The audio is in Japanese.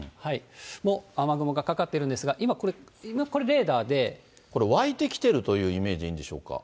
も、雨雲がかかってるんですが、今これ、これ、湧いてきてるというイメージでいいんでしょうか。